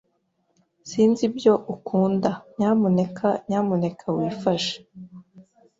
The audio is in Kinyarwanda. Sinzi ibyo ukunda, nyamuneka nyamuneka wifashe.